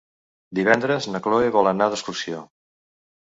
Divendres na Cloè vol anar d'excursió.